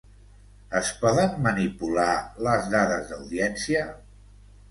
Es poden manipular les dades d’audiència?